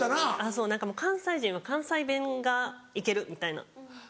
そう関西人は関西弁がいけるみたいな。